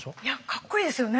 かっこいいですよね。